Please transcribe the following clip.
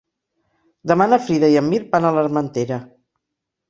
Demà na Frida i en Mirt van a l'Armentera.